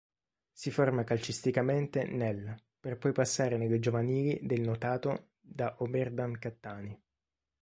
Si forma calcisticamente nell' per poi passare nelle giovanili del notato da Oberdan Cattani.